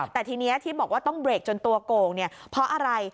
แต่ทีนี้ที่บอกว่าต้องเรกจนตัวโก่งเนี่ยเพราะอะไร